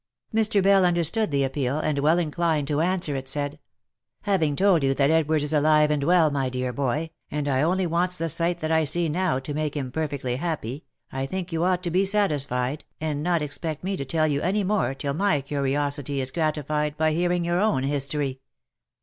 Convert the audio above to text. Mr. Bell understood the appeal, and well inclined to answer it, said, " Having told you that Edward is alive and well, my dear boy, and only wants the sight that I see now to make him perfectly happy, I think you ought to be satisfied, and not expect me to tell you any more till my curiosity is gratified by hearing your own history.